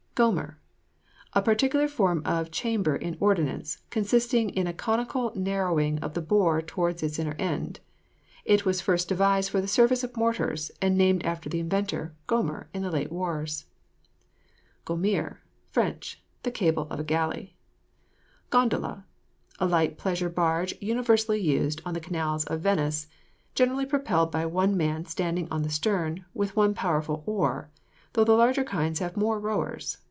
GOMER. A particular form of chamber in ordnance, consisting in a conical narrowing of the bore towards its inner end. It was first devised for the service of mortars, and named after the inventor, Gomer, in the late wars. GOMERE [Fr.] The cable of a galley. GONDOLA. A light pleasure barge universally used on the canals of Venice, generally propelled by one man standing on the stern with one powerful oar, though the larger kinds have more rowers.